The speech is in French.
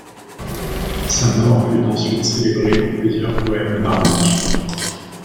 Sa mort fut ensuite célébrée dans plusieurs poèmes bardiques.